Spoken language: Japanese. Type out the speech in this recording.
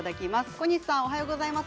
小西さん、おはようございます。